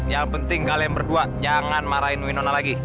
yang penting kalian berdua jangan marahin uinona lagi